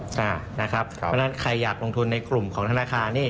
เพราะฉะนั้นใครอยากลงทุนในกลุ่มของธนาคารนี่